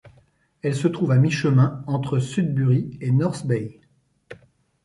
Elle se trouve à mi-chemin entre Sudbury et North Bay.